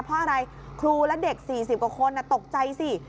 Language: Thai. เพราะอะไรครูและเด็ก๔๐กว่าคนตกใจสิ